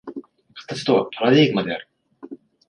形とはパラデーグマである。